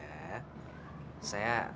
tolong bilang aja sama ibu nadia